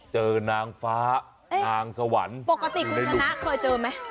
เจอนางฟ้านางสวรรค์ปกติคุณชนะเคยเจอไหม